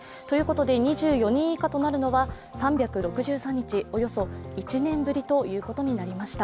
２４人以下となるのは３６３日、およそ１年ぶりとなりました。